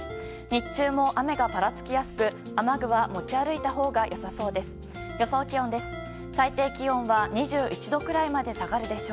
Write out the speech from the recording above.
日中も雨がぱらつきやすく雨具は持ち歩いたほうが良さそうです。